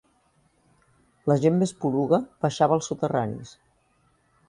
La gent més poruga baixava als soterranis